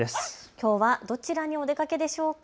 きょうはどちらにお出かけでしょうか。